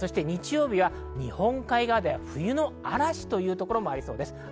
日曜日は日本海側では冬の嵐というところもありそうです。